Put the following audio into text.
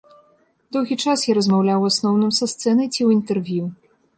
Доўгі час я размаўляў у асноўным са сцэны ці ў інтэрв'ю.